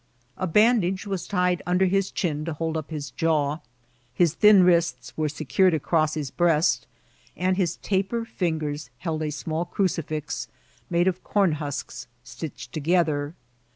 A bandage was tied under his chin to hold up his jaw ; his thin wrists were se cured across his breast ; and his taper fingers held a small crucifix made of corn husks stitched together.